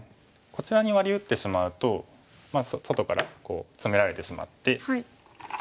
こちらにワリ打ってしまうと外からこうツメられてしまって。